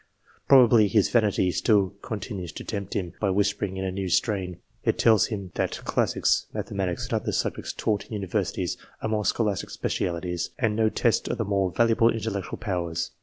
Probably his vanity still continues to tempt him, by whispering in a new strain. It tells him that classics, mathematics, and other subjects taught in universities, are mere scholastic specialities, and no test of the more valuable intellectual powers.